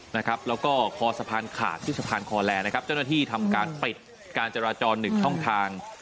แล้วก็คอสะพานขาดที่สะพานคอแลนะครับเจ้าหน้าที่ทำการปิดการจราจรหนึ่งช่องทาง